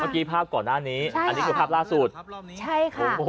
เมื่อกี้ภาพก่อนด้านนี้ใช่ค่ะอันนี้คือภาพล่าสุดใช่ค่ะ